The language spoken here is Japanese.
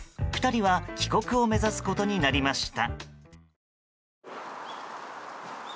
２人は帰国を目指すことになりました。